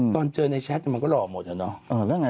ตอนเจอในแชทมันก็หล่อหมดอะเนาะ